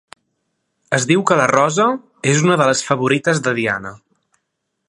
Es diu que la rosa és una de les favorites de Diana.